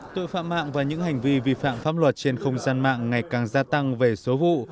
tội phạm mạng và những hành vi vi phạm pháp luật trên không gian mạng ngày càng gia tăng về số vụ